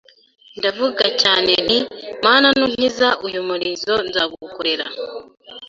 ndavuga cyane nti Mana nunkiza uyu murizo nzagukorera